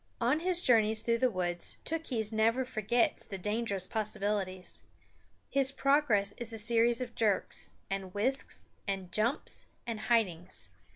On his journeys through the woods Tookhees never forgets the dangerous possibilities. His progress is a series of jerks, and whisks, and jumps, and hidings.